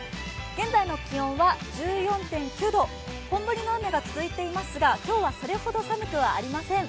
現在の気温は１４．９度、本降りの雨が続いていますが今日はそれほど寒くありません。